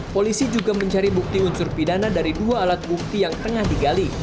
polisi juga mencari bukti unsur pidana dari dua alat bukti yang tengah digali